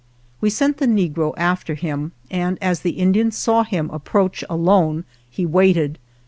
We sent the negro after him, and as the Indian saw him approach alone he waited.